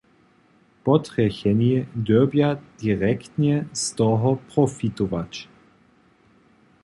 Potrjecheni dyrbja direktnje z toho profitować.